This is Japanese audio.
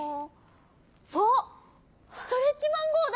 あっストレッチマンゴーだ！